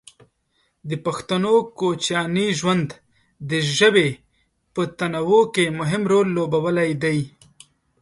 د پښتنو کوچیاني ژوند د ژبې په تنوع کې مهم رول لوبولی دی.